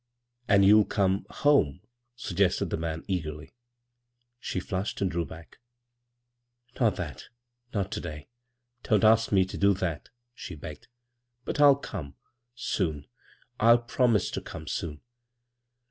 "And you'll come — home?" suggested the man, eagerly. She flushed and drew back. " Not that — not to day 1 Don't ask me to do that," she begged. " But I'll come soon — I'll promise to come soon."